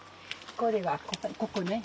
これはここね。